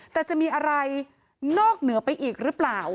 แต่จะมีอะไรนอกเหนือไปอีกหรือเปล่า